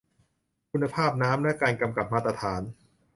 คุณภาพน้ำ และการกำกับมาตรฐาน